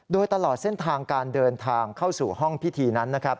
โดยตลอดเส้นทางการเดินทางเข้าสู่ห้องพิธีนั้นนะครับ